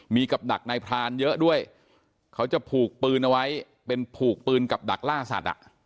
มีกับดักนายพรานเยอะด้วยเขาจะผูกปืนเอาไว้เป็นผูกปืนกับดักล่าสัตว์